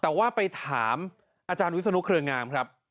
แต่ว่าไปถามอาจารย์วิศนุเครืองามครับ